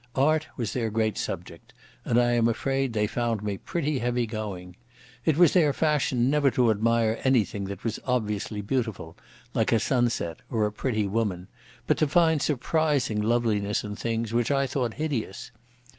Art was their great subject, and I am afraid they found me pretty heavy going. It was their fashion never to admire anything that was obviously beautiful, like a sunset or a pretty woman, but to find surprising loveliness in things which I thought hideous.